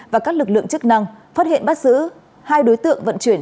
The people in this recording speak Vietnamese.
và các lực lượng chức năng phát hiện bắt giữ hai đối tượng vận chuyển